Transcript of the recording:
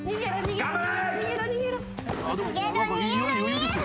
頑張れ。